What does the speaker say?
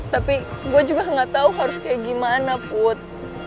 tapi gue juga gak tau harus kayak gimana put